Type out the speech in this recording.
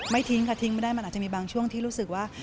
ทิ้งค่ะทิ้งไม่ได้มันอาจจะมีบางช่วงที่รู้สึกว่า